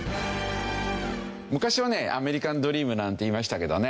昔はねアメリカン・ドリームなんて言いましたけどね。